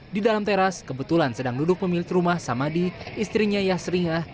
di dalam teras kebetulan sedang duduk pemilik rumah samadi istrinya yas ringah